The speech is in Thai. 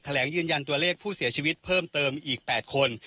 แหลงยืนยันตัวเลขผู้เสียชีวิตเพิ่มเติมอีก๘คน